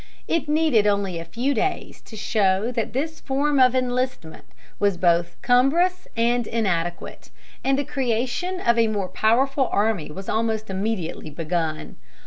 It needed only a few days to show that this form of enlistment was both cumbrous and inadequate; and the creation of a more powerful army was almost immediately begun.